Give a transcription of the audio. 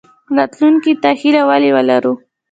راتلونکي ته هیله ولې ولرو؟